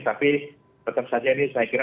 tapi tetap saja ini saya kira